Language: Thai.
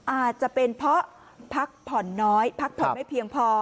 อาจจะเป็นเพราะพักผ่อนน้อยพักผ่อนไม่เพียงพอ